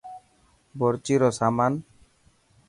بورچي رو سامان.